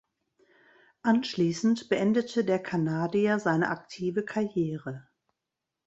Anschließend beendete der Kanadier seine aktive Karriere.